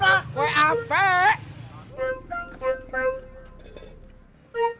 gawatminute kita akan ditemui mata masih berangkatan